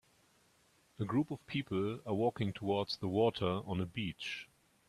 A group of people are walking towards the water on a beach